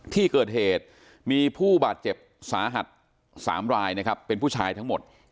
ที่เกิดเหตุมีผู้บาดเจ็บสาหัส๓รายนะครับเป็นผู้ชายทั้งหมด